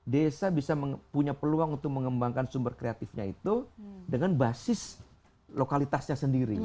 desa bisa punya peluang untuk mengembangkan sumber kreatifnya itu dengan basis lokalitasnya sendiri